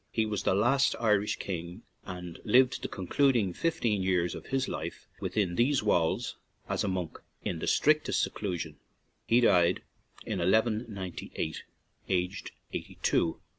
He was the last Irish king, and lived the concluding fifteen years of his life within these walls as a monk, in the strictest seclusion; he died in 1 198, aged eighty two.